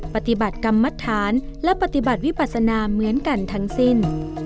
ปฏิบัติกรรมมฐานและปฏิบัติวิปัสนาเหมือนกันทั้งสิ้น